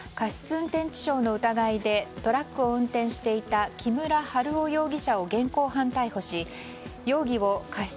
運転致傷の疑いでトラックを運転していた木村春夫容疑者を現行犯逮捕し容疑を過失